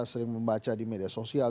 sering membaca di media sosial